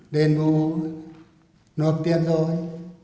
đền vụ nộp tiền rồi